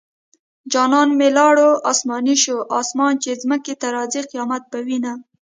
جانان مې لاړو اسماني شو اسمان چې ځمکې ته راځي قيامت به وينه